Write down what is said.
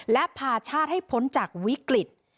และพาชาติให้พ้นจากวิกฤต